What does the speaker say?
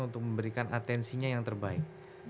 untuk memberikan atensinya yang terbaik